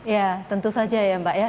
ya tentu saja ya mbak ya